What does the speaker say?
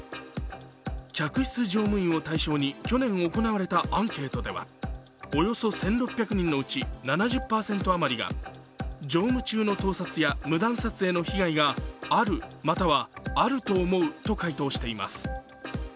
客室乗務員を対象に去年行われたアンケートではおよそ１６００人のうち７０％あまりが乗務中の盗撮や無断撮影の被害が「ある」または「あると思う」と回答しています。